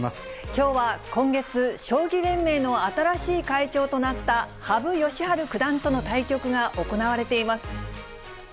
きょうは今月、将棋連盟の新しい会長となった、羽生善治九段との対局が行われています。